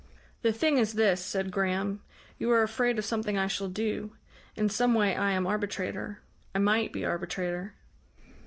"The thing is this," said Graham. "You are afraid of something I shall do. In some way I am arbitrator I might be arbitrator."